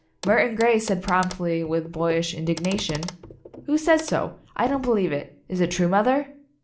Murton Grey said promptly with boy ish indignation, "Who says so? I don't believe it. Is it true, mother?"